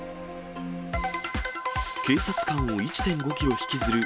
警察官を１．５キロ引きずる。